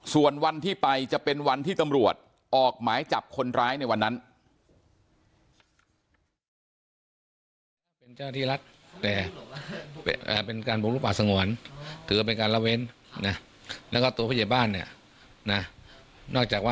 ส่วนวันที่ไปจะเป็นวันที่ตำรวจออกหมายจับคนร้ายในวันนั้น